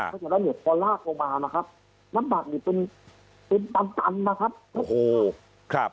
เพราะฉะนั้นเนี่ยพลาโครมานะครับน้ำบัตรเนี่ยเป็นตันนะครับโอ้โหครับ